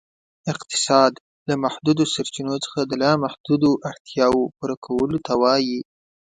اقتصاد ، له محدودو سرچینو څخه د لا محدودو اړتیاوو پوره کولو ته وایي.